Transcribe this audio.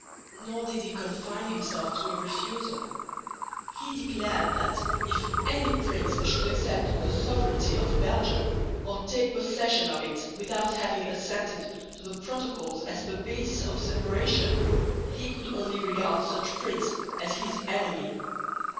Nor did he confine himself to a refusal. He declared that if any prince should accept the sovereignty of Belgium or take possession of it without having assented to the protocols as the basis of separation he could only regard such prince as his enemy.